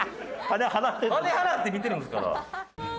金払って見てるんですから。